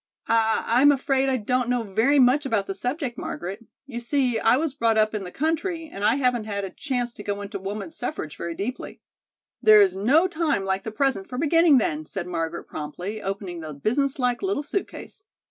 "I I'm afraid I don't know very much about the subject, Margaret. You see, I was brought up in the country, and I haven't had a chance to go into woman's suffrage very deeply." "There is no time like the present for beginning, then," said Margaret promptly, opening the business like little suit case.